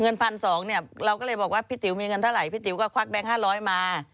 เงิน๑๒๐๐เนี่ยเราก็เลยบอกว่าพี่ติ๋วมีเงินเท่าไหร่พี่ติ๋วก็ควักแก๊ง๕๐๐มา